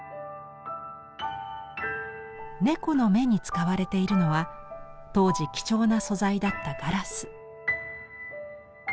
猫の目に使われているのは当時貴重な素材だったガラス。